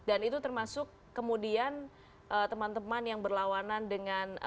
dan itu termasuk kemudian teman teman yang berlawanan dengan